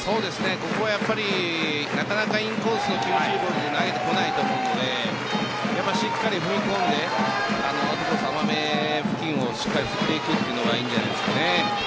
ここはやっぱりなかなかインコースの厳しいコースに投げてこないと思うのでしっかり踏み込んでインコース高め付近をしっかり振り切るのがいいんじゃないですかね。